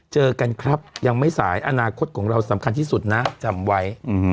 เจอกันครับยังไม่สายอนาคตของเราสำคัญที่สุดนะจำไว้